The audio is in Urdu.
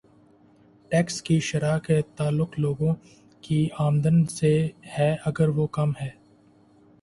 ٹیکس کی شرح کا تعلق لوگوں کی آمدن سے ہے اگر وہ کم ہے۔